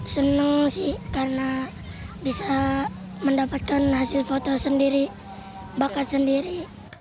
senang sih karena bisa mendapatkan hasil foto sendiri bakat sendiri